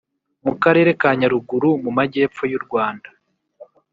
mu karere ka nyaruguru mu majyepfo y’u rwanda,